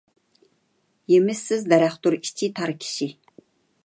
يېمىشسىز دەرەختۇر ئىچى تار كىشى.